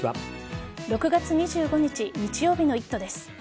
６月２５日日曜日の「イット！」です。